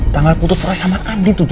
tanggal putus teras sama kandin